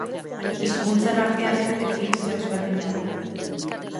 Hizkuntzen artean ere definizio ezberdina du.